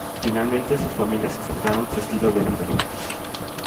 Finalmente sus familias aceptaron su estilo de vida.